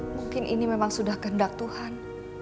mungkin ini memang sudah kehendak tuhan